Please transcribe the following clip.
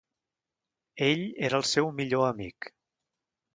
Ell era el seu millor amic.